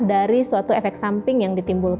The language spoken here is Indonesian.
dari suatu efek sampel